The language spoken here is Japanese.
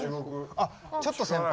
あっちょっと先輩。